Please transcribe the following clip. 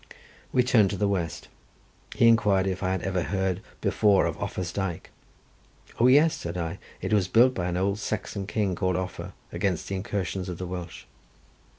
We turned to the west. He inquired if I had ever heard before of Offa's Dyke. "O yes," said I, "it was built by an old Saxon king called Offa, against the incursions of the Welsh."